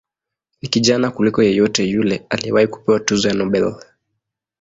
Ni kijana kuliko yeyote yule aliyewahi kupewa tuzo ya Nobel.